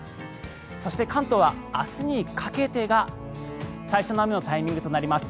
そして、関東は明日にかけてが最初の雨のタイミングとなります。